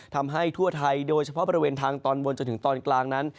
ทำให้ทั่วไทยโดยเฉพาะบริเวณทางตอนบนจนถึงตอนกลางนั้น